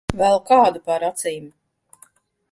Velk ādu pār acīm.